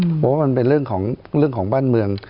เพราะว่ามันเป็นเรื่องของบ้านเมือง